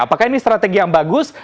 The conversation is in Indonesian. apakah ini strategi yang bagus